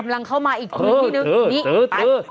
สำลังเข้ามาอีกครึ่งที่นึง